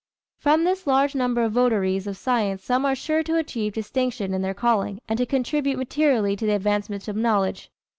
From this large number of votaries of science some are sure to achieve distinction in their calling and to contribute materially to the advancement of knowledge.